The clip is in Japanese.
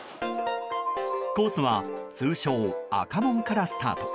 コースは通称・赤門からスタート。